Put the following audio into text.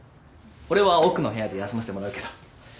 俺は奥の部屋で休ませてもらうけど。